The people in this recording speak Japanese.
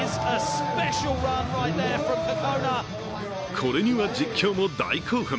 これには実況も大興奮。